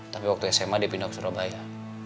tapi waktu sma dia pindah ke surabaya